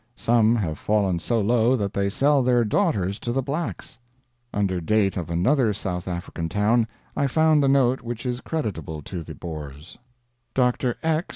Some have fallen so low that they sell their daughters to the blacks." Under date of another South African town I find the note which is creditable to the Boers: "Dr. X.